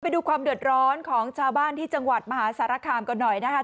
ไปดูความเดือดร้อนของชาวบ้านที่จังหวัดมหาสารคามกันหน่อยนะคะ